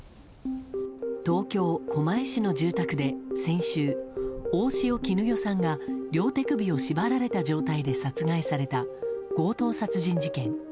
東京・狛江市の住宅で先週大塩衣與さんが両手首を縛られた状態で殺害された強盗殺人事件。